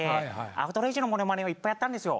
『アウトレイジ』のモノマネをいっぱいやったんですよ。